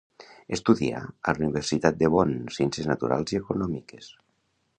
Estudià a la Universitat de Bonn ciències naturals i econòmiques.